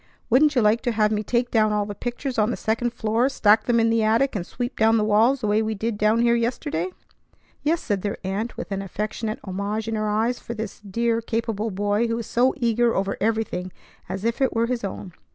Wouldn't you like to have me take down all the pictures on the second floor, stack them in the attic, and sweep down the walls the way we did down here yesterday?" "Yes," said their aunt with an affectionate homage in her eyes for this dear, capable boy who was so eager over everything as if it were his own.